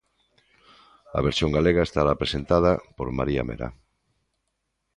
A versión galega estará presentada por María Mera.